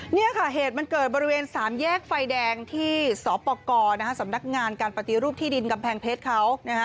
นี่ค่ะเหตุมันเกิดบริเวณ๓แยกไฟแดงที่สปกรสำนักงานการปฏิรูปที่ดินกำแพงเพชรเขา